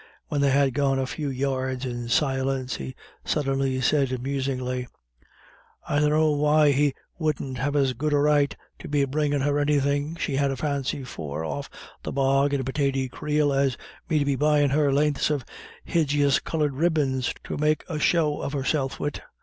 When they had gone a few yards in silence he suddenly said musingly "I dunno why he wouldn't have as good a right to be bringin' her anythin' she had a fancy for off the bog in a pitaty creel, as me to be buyin' her len'ths of hijis coloured ribbons to make a show of herself wid.